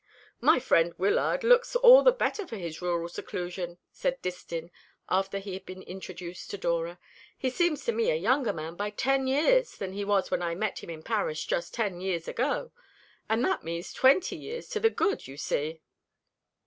"My friend Wyllard looks all the better for his rural seclusion," said Distin, after he had been introduced to Dora. "He seems to me a younger man by ten years than he was when I met him in Paris just ten years ago. And that means twenty years to the good, you see."